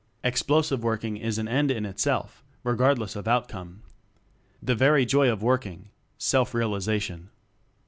Explosive Working is an end in itself, regardless of outcome. The very joy of working. Self realization.